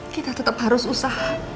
kita tetap harus usaha